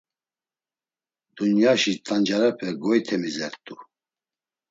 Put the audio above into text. Dunyaşi t̆ancarepe goytemizert̆u.